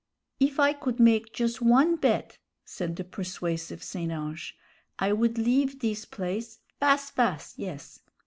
"If I could make jus' one bet," said the persuasive St. Ange, "I would leave this place, fas' fas', yes.